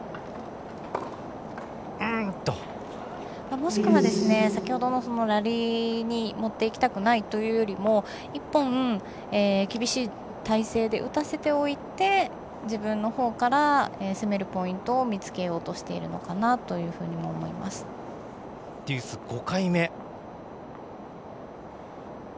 もしくは先ほどのラリーに持っていきたくないというよりも１本、厳しい体勢で打たせておいて自分のほうから攻めるポイントを見つけようとしているのかなデュース、５回目。